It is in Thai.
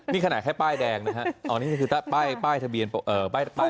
นี่ขนาดแค่ป้ายแดงนะฮะอ๋อนี่คือป้ายทะเบียนป้าย